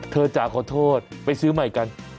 จ๋าขอโทษไปซื้อใหม่กัน